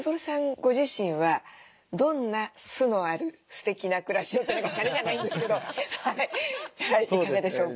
ご自身はどんな酢のあるすてきな暮らしをシャレじゃないんですけどいかがでしょうか？